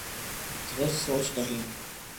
درست سوچ نہیں۔